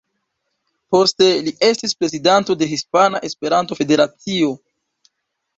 Poste li estis prezidanto de Hispana Esperanto-Federacio.